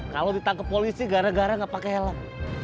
kalau ditangke polisi gara gara gak pake helm